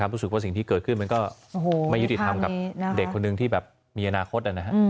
รู้สึกว่าสิ่งที่เกิดขึ้นมันก็ไม่ยุติธรรมกับเด็กคนหนึ่งที่แบบมีอนาคต